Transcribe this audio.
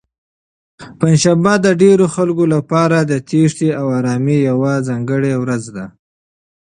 پنجشنبه د ډېرو خلکو لپاره د تېښتې او ارامۍ یوه ځانګړې ورځ ده.